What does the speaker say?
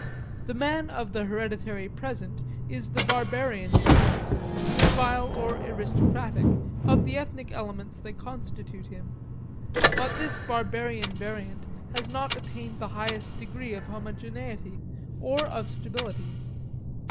The man of the hereditary present is the barbarian variant, servile or aristocratic, of the ethnic elements that constitute him. But this barbarian variant has not attained the highest degree of homogeneity or of stability.